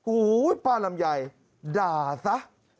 อู๊ยป้าลำยัยด่าซะ